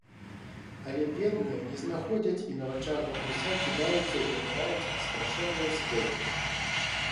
Але, бедныя, не знаходзяць i на вачах Габруся кiдаюцца i памiраюць ад страшэннай спёкi...